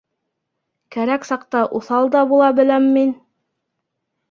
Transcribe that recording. Кәрәк саҡта уҫал да була беләм мин.